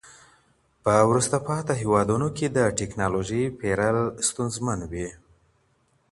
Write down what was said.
په وروسته پاته هېوادونو کي د ټکنالوژۍ پېرل ستونزمن وي.